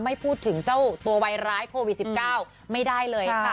ไม่พูดถึงเจ้าตัววัยร้ายโควิด๑๙ไม่ได้เลยค่ะ